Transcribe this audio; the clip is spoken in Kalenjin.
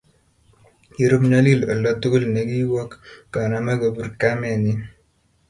Kirub nyalil oldo togul ne ki wok koname kopir kamenyii